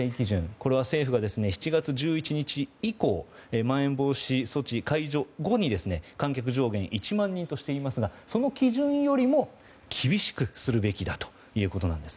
これは政府が７月１１日以降まん延防止措置解除後に観客上限１万人としていますがその基準よりも厳しくするべきだということです。